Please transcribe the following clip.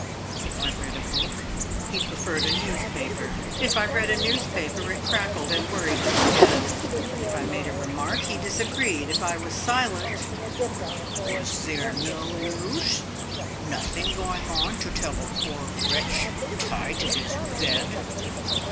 If I read a book, he preferred a newspaper. If I read a newspaper, it crackled, and worried his head. If I made a remark, he disagreed; if I was silent, "Was there no news? nothing going on to tell a poor wretch tied to his bed?"